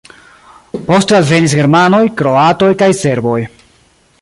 Poste alvenis germanoj, kroatoj kaj serboj.